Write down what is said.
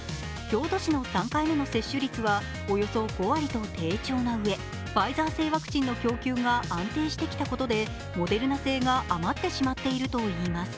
京都市の３回目の接種率はおよそ５割と低調なうえファイザー製ワクチンの供給が安定してきたことでモデルナ製が余ってしまっているといいます。